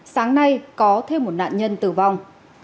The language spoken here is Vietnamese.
sáng nay có thêm một nạn nhân tử vong